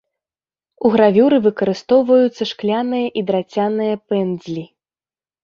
У гравюры выкарыстоўваюцца шкляныя і драцяныя пэндзлі.